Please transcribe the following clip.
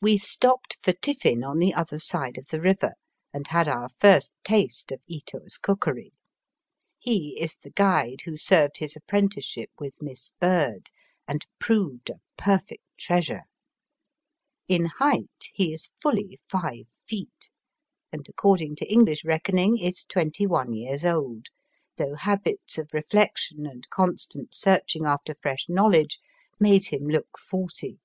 We stopped for tiffin on the other side of the river and had our first taste of Ito's cookery. He is the guide who served his apprenticeship with Miss Bird, and proved a perfect treasure. In height he is fully five feet, and, according to English reckoning, is twenty one years old, though habits of reflec tion and constant searching after fresh know ledge made him look forty.